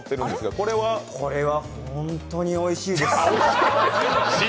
これはホントにおいしいです。